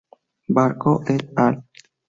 Barco "et al.